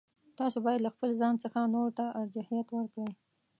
تاسو باید له خپل ځان څخه نورو ته ارجحیت ورکړئ.